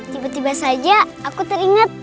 tiba tiba saja aku teringat